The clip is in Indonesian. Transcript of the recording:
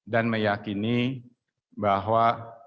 dan meyakini bahwa